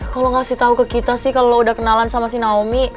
kalo kasih tau ke kita sih kalo lo udah kenalan sama si naomi